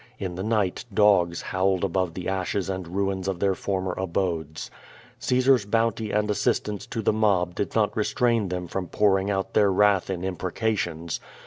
In the night, dogs howled above the ashes and ruins of their former abodes. Caesar's bounty and assistance to the mob did not restrain them from pouring out their wrath in imprecations.